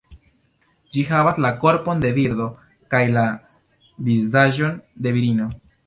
Ĝi havas la korpon de birdo kaj la vizaĝon de virino.